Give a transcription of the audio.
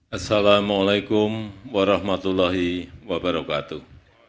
assalamu alaikum warahmatullahi wabarakatuh